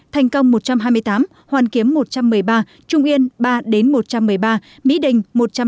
thành công một trăm hai mươi tám hoàn kiếm một trăm một mươi ba trung yên ba một trăm một mươi ba mỹ đình một trăm linh bốn